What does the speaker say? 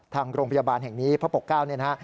ทางโรงพยาบาลแห่งนี้เพราะปกเก้านะฮะ